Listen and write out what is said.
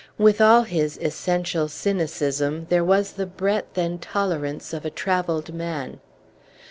With all his essential cynicism, there was the breadth and tolerance of a travelled man.